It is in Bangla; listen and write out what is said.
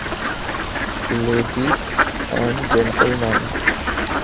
Ladies and gentleman!